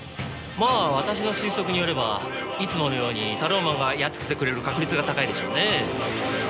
まあ私の推測によればいつものようにタローマンがやっつけてくれる確率が高いでしょうね。